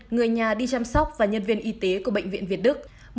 người nhà đi chăm sóc và nhân viên y tế của bệnh viện việt đức